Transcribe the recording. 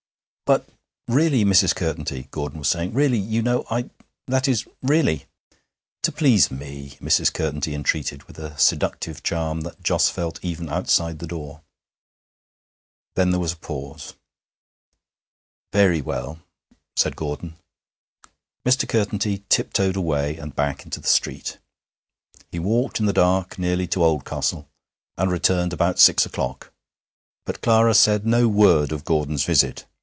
'But, really, Mrs. Curtenty,' Gordon was saying 'really, you know I that is really ' 'To please me!' Mrs. Curtenty entreated, with a seductive charm that Jos felt even outside the door. Then there was a pause. 'Very well,' said Gordon. Mr. Curtenty tiptoed away and back into the street. He walked in the dark nearly to Oldcastle, and returned about six o'clock. But Clara said no word of Gordon's visit.